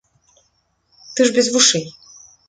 Ты ж без вушэй!